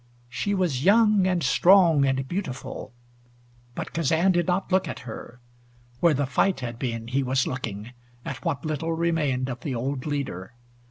She was young and strong and beautiful, but Kazan did not look at her. Where the fight had been he was looking, at what little remained of the old leader.